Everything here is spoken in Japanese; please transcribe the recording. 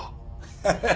ハハハ。